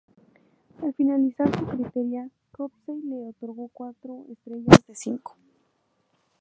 Al finalizar su crítica, Copsey le otorgó cuatro estrellas de cinco.